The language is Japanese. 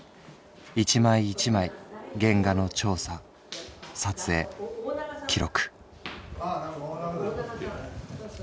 一枚一枚原画の調査撮影記録」。